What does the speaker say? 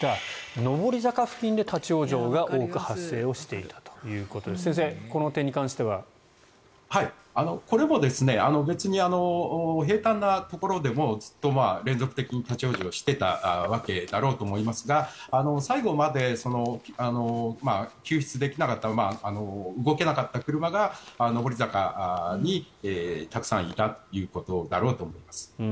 上り坂付近で立ち往生が多く発生していたということで先生、この点に関しては。これも別に平坦なところでもずっと連続的に立ち往生していたわけだろうと思いますが最後まで救出できなかった動けなかった車が上り坂にたくさんいたということだろうと思います。